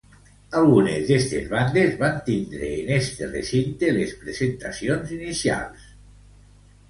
Algunes d'estes bandes van tindre en este recinte les presentacions inicials.